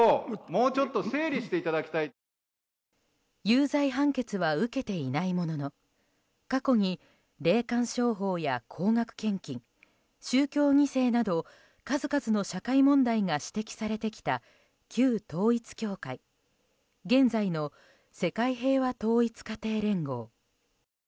有罪判決は受けていないものの過去に霊感商法や高額献金宗教２世など数々の社会問題が指摘されてきた旧統一教会現在の世界平和統一家庭連合。